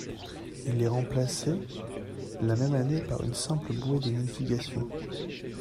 Il est remplacé la même année par une simple bouée de navigation.